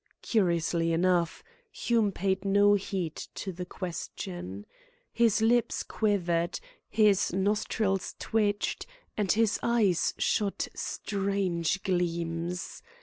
Curiously enough, Hume paid no heed to the question. His lips quivered, his nostrils twitched, and his eyes shot strange gleams.